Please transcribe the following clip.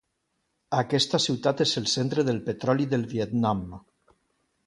Aquesta ciutat és el centre del petroli del Vietnam.